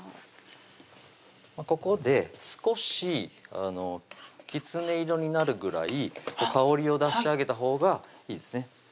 ここで少しきつね色になるぐらい香りを出してあげたほうがいいですね